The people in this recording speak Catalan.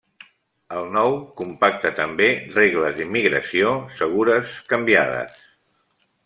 El nou Compacta també regles d'immigració segures canviades.